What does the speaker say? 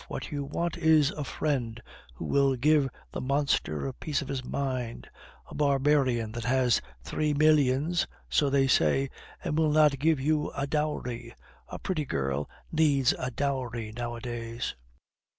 What you want is a friend who will give the monster a piece of his mind; a barbarian that has three millions (so they say), and will not give you a dowry; and a pretty girl needs a dowry nowadays."